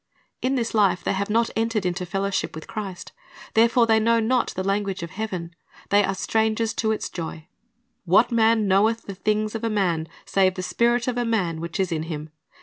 ''^ In this life they have not entered into fellowship with Christ; therefore they know not the language of heaven, they are strangers to its joy. "What man knoweth the things of a man, save the spirit of man which is in him?